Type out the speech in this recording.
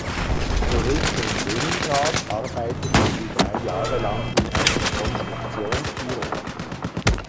Zurück in Leningrad arbeitete sie drei Jahre lang in einem Konstruktionsbüro.